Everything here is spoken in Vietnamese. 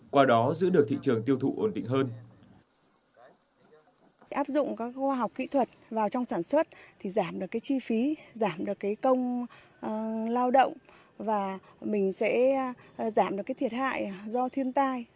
qua đó giữ được thị trường tiêu thụ ổn định hơn